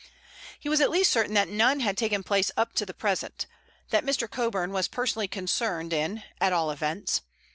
He was at least certain that none had taken place up to the present—that Mr. Coburn was personally concerned in, at all events.